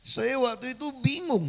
saya waktu itu bingung